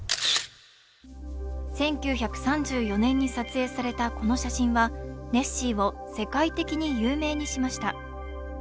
１９３４年に撮影されたこの写真はネッシーを世界的に有名にしました。